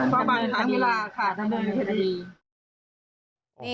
ก็บันตัวเวลาค่ะถ้าเมื่อมีเทศดี